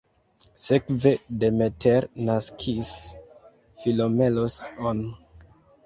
Sekve Demeter naskis Philomelos-on.